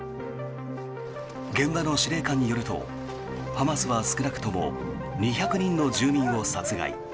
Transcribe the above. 現場の司令官によるとハマスは少なくとも２００人の住民を殺害。